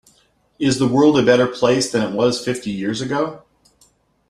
Is the world is a better place than it was fifty years ago?